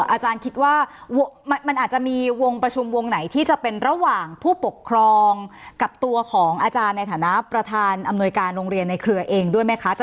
อาจารย์คิดว่ามันอาจจะมีวงประชุมวงไหนที่จะเป็นระหว่างผู้ปกครองกับตัวของอาจารย์ในฐานะประธานอำนวยการโรงเรียนในเครือเองด้วยไหมคะ